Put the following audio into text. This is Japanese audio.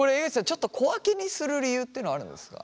ちょっと小分けにする理由ってのはあるんですか？